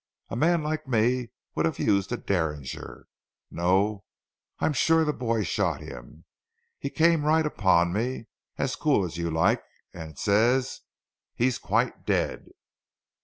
A man like me would have used a Derringer. No, I'm sure that boy shot him. He came right upon me, as cool as you like and says, 'He's quite dead.'"